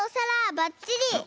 ばっちり。